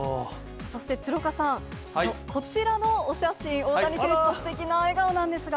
そして鶴岡さん、こちらのお写真、大谷選手と、すてきな笑顔なんですが。